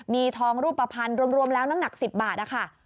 มีทองรูปภัณฑ์รวมแล้วน้ำหนัก๑๐บาทนะคะ